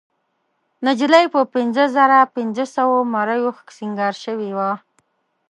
نجلۍ په پينځهزرهپینځهسوو مریو سینګار شوې وه.